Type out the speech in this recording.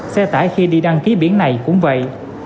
xe tải khi đi đăng ký biển này cũng vậy